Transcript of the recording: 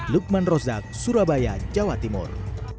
lukman rozak surabaya jawa timur